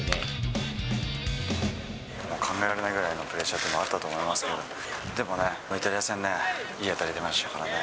考えられないぐらいのプレッシャーがあったと思いますけど、でもね、イタリア戦ね、いい当たり出ましたからね。